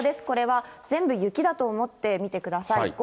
これは全部雪だと思って見てください。